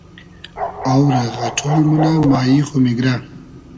آو رۂ غئݖۉل مونۂ مایی خو میگرۂ